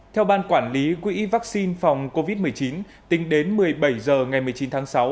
theo ban quản lý quỹ vaccine phòng covid một mươi chín tính đến một mươi bảy h ngày một mươi chín tháng sáu